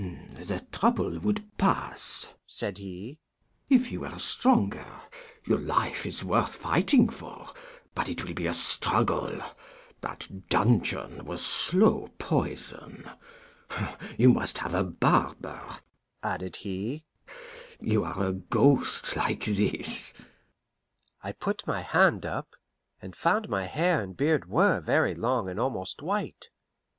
"The trouble would pass," said he, "if you were stronger. Your life is worth fighting for, but it will be a struggle. That dungeon was slow poison. You must have a barber," added he; "you are a ghost like this." I put my hand up, and I found my hair and beard were very long and almost white.